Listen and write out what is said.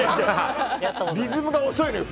リズムが遅いのよ。